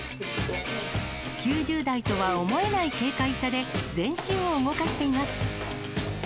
９０代とは思えない軽快さで、全身を動かしています。